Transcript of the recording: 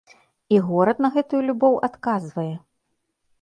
І горад на гэтую любоў адказвае.